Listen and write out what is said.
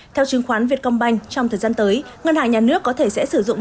theo chứng khoán vietcombank trong thời gian tới ngân hàng nhà nước có thể sẽ sử dụng